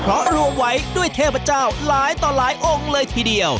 เพราะรวมไว้ด้วยเทพเจ้าหลายต่อหลายองค์เลยทีเดียว